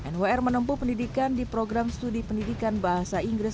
nwr menempuh pendidikan di program studi pendidikan bahasa inggris